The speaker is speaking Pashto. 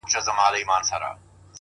كله ـناكله غلتيږي څــوك غوصه راځـي ـ